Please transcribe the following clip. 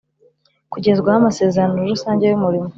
kugezwaho amasezerano rusange y umurimo